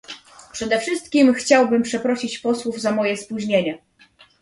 Przede wszystkim chciałbym przeprosić posłów za moje spóźnienie